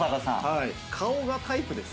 顔がタイプです。